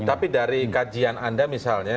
tapi dari kajian anda misalnya